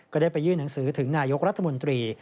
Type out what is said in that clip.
ได้ไปยื่นหนังสือถึงนายกรัฐมนตรี